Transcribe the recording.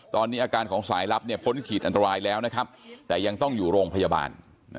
ตอนนี้อาการของสายลับเนี่ยพ้นขีดอันตรายแล้วนะครับแต่ยังต้องอยู่โรงพยาบาล